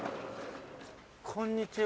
こんにちは。